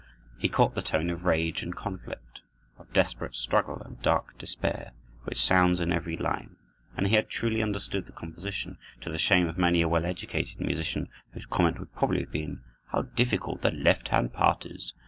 He caught the tone of rage and conflict, of desperate struggle and dark despair, which sounds in every line, and he had truly understood the composition, to the shame of many a well educated musician, whose comment would probably have been, "How difficult that left hand part is!